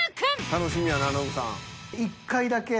楽しみやなノブさん。